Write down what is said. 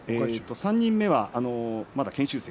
３人目はまだ研修生。